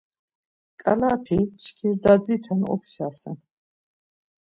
Ǩalati mşkirdadziten opşasen.